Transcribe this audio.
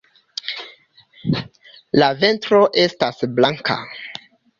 La ventro estas blanka.